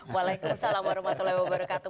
waalaikumsalam warahmatullahi wabarakatuh